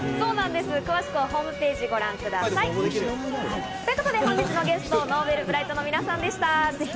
詳しくはホームページをご覧ください。ということで、本日のゲスト、Ｎｏｖｅｌｂｒｉｇｈｔの皆さんでした。